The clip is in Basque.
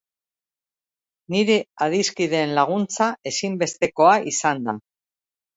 Nire adiskideen laguntza ezinbestekoa izan da.